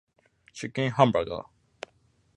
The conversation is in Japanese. チキンハンバーガー